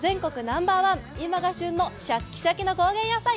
ナンバーワン、今が旬のシャッキシャキの高原野菜